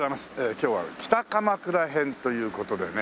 今日は北鎌倉編という事でね